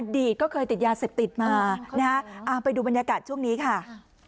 ดีตก็เคยติดยาเสพติดมานะฮะไปดูบรรยากาศช่วงนี้ค่ะ